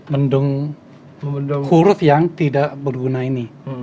mendung huruf yang tidak berguna ini